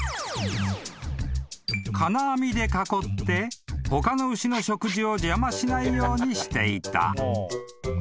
［金網で囲って他の牛の食事を邪魔しないようにしていた］